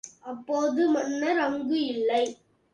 அப்போது மன்னர் அங்கு இல்லை.